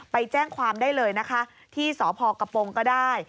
ไปแจ้งความได้เลยนะคะที่สพกระโปรงก็ได้